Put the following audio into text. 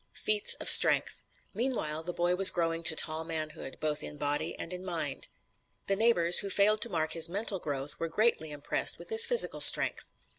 FEATS OF STRENGTH Meanwhile the boy was growing to tall manhood, both in body and in mind. The neighbors, who failed to mark his mental growth, were greatly impressed with his physical strength.